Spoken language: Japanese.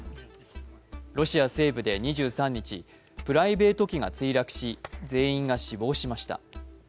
ロシア西部で２３日、プライベート機が墜落し、全員が死亡しました。